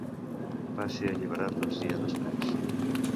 Va ser alliberat uns dies després.